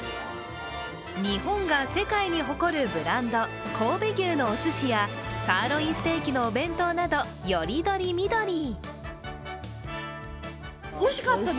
日本が世界に誇るブランド神戸牛のおすしやサーロインステーキのお弁当などよりどりみどり。